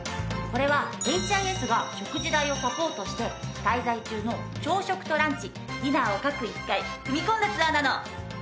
これはＨＩＳが食事代をサポートして滞在中の朝食とランチディナーを各１回組み込んだツアーなの。